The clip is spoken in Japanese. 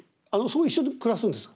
一緒に暮らすんですか？